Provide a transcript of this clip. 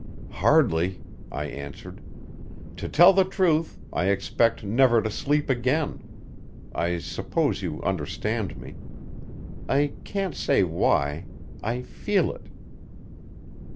"Hardly," I answered. "To tell the truth, I expect never to sleep again I suppose you understand me. I can't say why I feel it."